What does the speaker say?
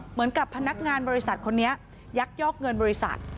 เหมือนกับพนักงานบริษัทคนนี้ยักยอกเงินบริษัท